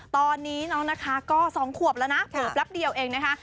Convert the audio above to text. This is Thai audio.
ตอนนี้น้องนักค้าก็สองขวบแล้วนะเพิบรับเดียวเองนะคะ